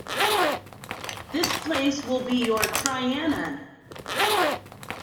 This place will be your Trianon.